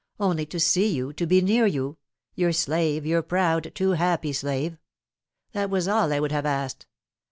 Only to see you, to be near you your slave, your proud, too happy slave. That was all I would have asked.